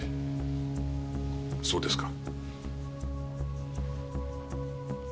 そうですか。